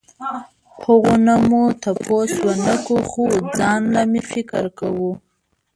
هغو نه مو تپوس ونکړو خو ځانله مې فکر کوو